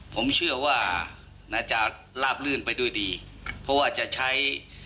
ผมเชื่อว่าน่าจะลาบลื่นไปด้วยดีเพราะว่าจะใช้